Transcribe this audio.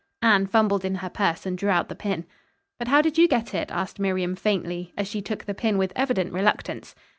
Anne fumbled in her purse and drew out the pin. "But how did you get it?" asked Miriam faintly, as she took the pin with evident reluctance.